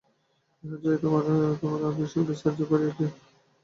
ইহার চেয়ে তোমাকে আর বেশি বিস্তারিত করিয়া কী বলিব?